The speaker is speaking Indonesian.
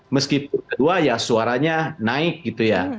meskipun ke dua ya suaranya naik gitu ya